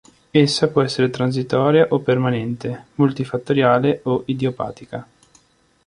Essa può essere transitoria o permanente, multifattoriale o idiopatica.